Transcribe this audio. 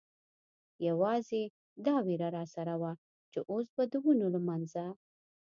یوازې دا وېره را سره وه، چې اوس به د ونو له منځه.